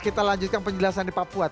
kita lanjutkan penjelasan di papua